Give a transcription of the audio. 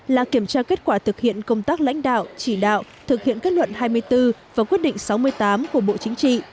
là kiểm tra kết quả thực hiện công tác lãnh đạo chỉ đạo thực hiện kết luận hai mươi bốn và quyết định sáu mươi tám của bộ chính trị